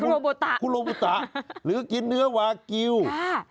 โคโรโบตะโคโรโบตะหรือกินเนื้อวาเกียวค่ะ